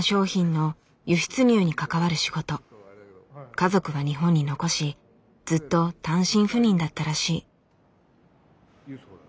家族は日本に残しずっと単身赴任だったらしい。